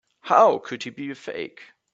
How could he be a fake?